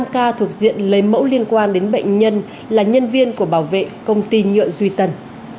năm ca thuộc diện lấy mẫu liên quan đến bệnh nhân là nhân viên của bảo vệ công ty nhựa duy tần